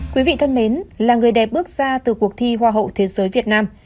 quý vị thân mến là người đẹp bước ra từ cuộc thi hoa hậu thế giới việt nam